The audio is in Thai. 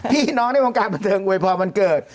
พี่น้องในวงการบันเทิงอวยพรวันเกิด